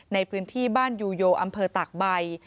ในพื้นที่บ้านยูโยอำเภอตากใบ